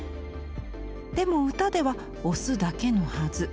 でも歌では雄だけのはず。